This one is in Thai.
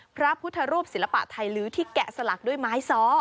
พระพุทธรูปศิลปะไทยลื้อที่แกะสลักด้วยไม้ซ้อ